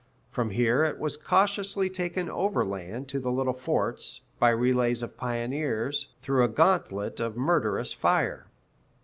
From here it was cautiously taken overland to the little forts, by relays of pioneers, through a gauntlet of murderous fire.